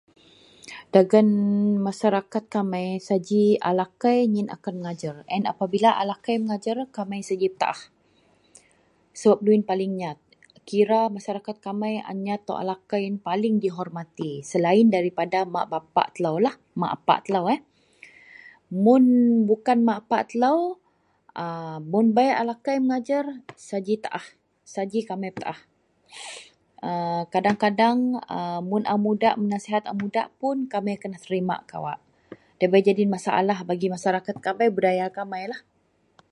Dagen masarakat kamei saji a lakei iyen akan mengajar, apabila a lakei mengajar kamei sagi petaah sebab loyen paling ngat. Kira masarakat kamei anyat a lakei paling dihormati. Selain daripada mak bapak telolah mak bapak telo, mun bukan mak bapak telo ..a.. mun be a lakei mengajar saji taah kamei petaah. Kadeng-kadeng mun a mudak menasihat a mudak puon kamei terima kawak nda bei masalah Masarakat kamei budaya kamei.